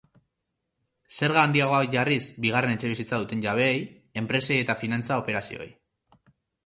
Zerga handiagoak jarriz bigarren etxebizitza duten jabeei, enpresei eta finantza operazioei.